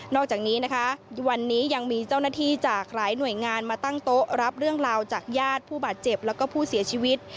อกจากนี้นะคะวันนี้ยังมีเจ้าหน้าที่จากหลายหน่วยงานมาตั้งโต๊ะรับเรื่องราวจากญาติผู้บาดเจ็บแล้วก็ผู้เสียชีวิต